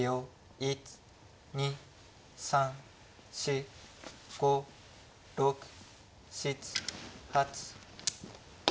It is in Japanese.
１２３４５６７８。